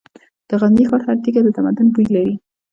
د غزني ښار هره تیږه د تمدن بوی لري.